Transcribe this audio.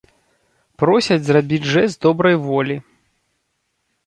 Просяць зрабіць жэст добрай волі.